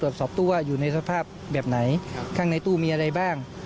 ใช่ครับ